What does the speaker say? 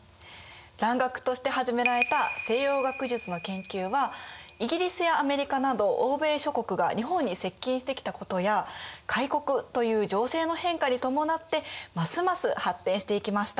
蘭学として始められた西洋学術の研究はイギリスやアメリカなど欧米諸国が日本に接近してきたことや開国という情勢の変化にともなってますます発展していきました。